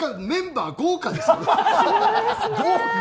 メンバー。